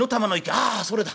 「ああそれだ。